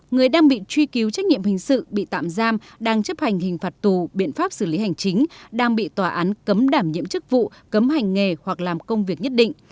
người đang bị truy cứu trách nhiệm hình sự bị tạm giam đang chấp hành hình phạt tù biện pháp xử lý hành chính đang bị tòa án cấm đảm nhiệm chức vụ cấm hành nghề hoặc làm công việc nhất định